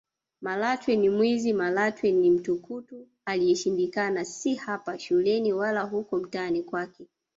Malatwe ni mwizi Malatwe ni mtukutu aliyeshindikana si hapa shuleni wala huko mtaani kwake